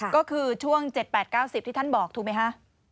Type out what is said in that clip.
ก็คือช่วง๗๘๙๐ที่ท่านบอกถูกไหมฮะ